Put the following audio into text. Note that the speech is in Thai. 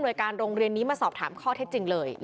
แล้วก็ย้ำว่าจะเดินหน้าเรียกร้องความยุติธรรมให้ถึงที่สุด